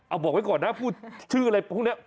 เอาบอกไว้ก่อนนะพูดชื่ออะไรพวกนี้